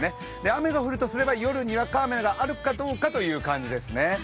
雨が降るとすれば、夜、にわか雨があるかどうかという感じですね。